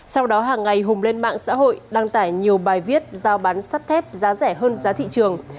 sau đó hàng ngày hùng lên mạng xã hội đăng tải nhiều bài viết giao bán sắt thép giá rẻ hơn giá thị trường